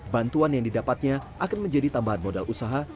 bantuan yang didapatnya akan menjadi tambahan modal usaha